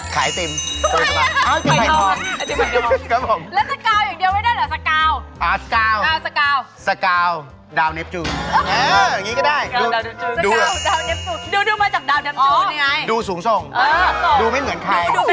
คุณคิดแบบว่าคุณเป็นคนคิดเร็วอะไรอย่างนี้เหรอ